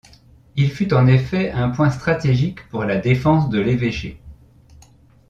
Il fut en effet un point stratégique pour la défense de l'évêché.